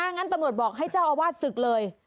งั้นตำรวจบอกให้เจ้าอาวาสศึกเลย